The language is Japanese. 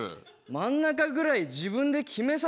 真ん中ぐらい自分で決めさせろよな。